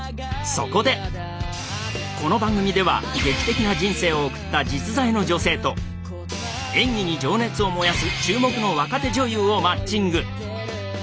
そこでこの番組では劇的な人生を送った実在の女性と演技に情熱を燃やす注目の若手女優をマッチング。